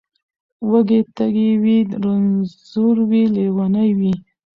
وږی تږی وي رنځور وي لېونی وي